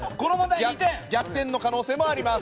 逆転の可能性もあります。